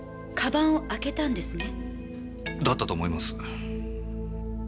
だったと思います。